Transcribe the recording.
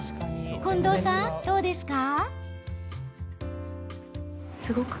近藤さん、どうですか？